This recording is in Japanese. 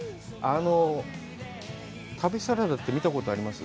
旅サラダって見たことあります？